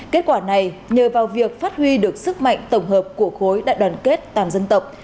kết quả này nhờ vào việc phát huy được sức mạnh tổng hợp của khối đại đoàn kết toàn dân tộc